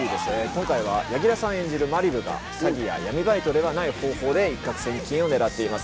今回は柳楽さん演じるまりぶが詐欺や闇バイトではない方法で一獲千金を狙っています。